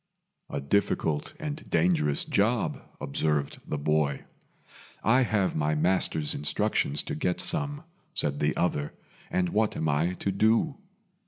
"A difficult and dangerous job," observed the boy. "I have my master's instructions to get some," said the other, "and what am I to do?"